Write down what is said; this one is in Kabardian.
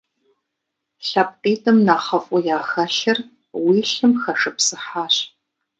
ЛъэпкъитӀым нэхъыфӀу яхэлъыр уи лъым хэшыпсыхьащ.